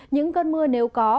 những cơn mưa nếu có